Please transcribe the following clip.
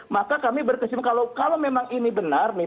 maka kami berkesimpulan kalau memang ini benar nih